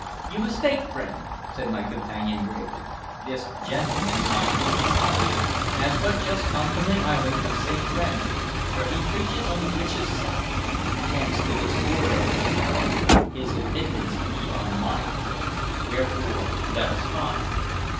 "You mistake, friend," said my companion gravely. "This gentleman, my worthy colleague, has but just come from the island of St. Brandon, where he preaches on the witches' Sabbath: hence the disorder of his apparel. His admittance be on my head: wherefore let us by."